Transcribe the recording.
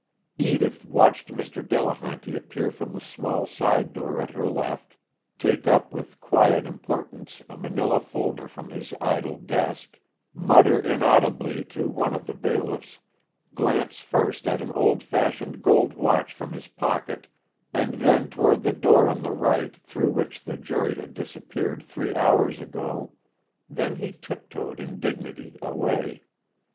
Edith watched Mr. Delehanty appear from the small side door at her left, take up with quiet importance a manila folder from his idle desk, mutter inaudibly to one of the bailiffs, glance first at an old fashioned gold watch from his pocket and then toward the door on the right through which the jury had disappeared three hours ago; then he tiptoed in dignity away.